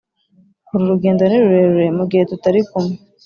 uru rugendo nirurerure mu gihe tutari kumwe